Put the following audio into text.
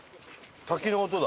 滝の音だ。